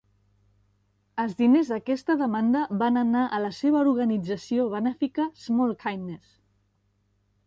Els diners d'aquesta demanda van anar a la seva organització benèfica "Small Kindness".